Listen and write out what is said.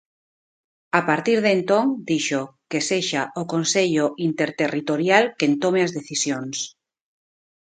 A partir de entón, dixo, que sexa o Consello Interterritorial quen tome as decisións.